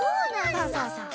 そうそうそう。